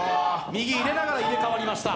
右を入れながら入れ替わりました。